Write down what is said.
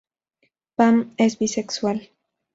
Pam es bisexual.